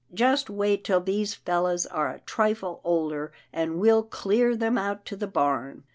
Just wait till these fellows are a trifle older, and we'll clear them out to the barn."